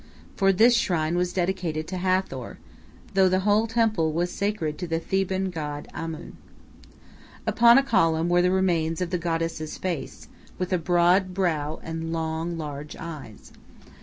For this shrine was dedicated to Hathor, though the whole temple was sacred to the Theban god Amun. Upon a column were the remains of the goddess's face, with a broad brow and long, large eyes.